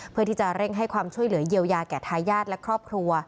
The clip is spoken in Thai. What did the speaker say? เพื่อที่จะเร่งให้ความช่วยเหลือเยียวยาแก่ทายาทและครอบครัว